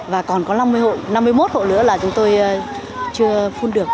và còn có năm mươi một hộ nữa là chúng tôi chưa phun được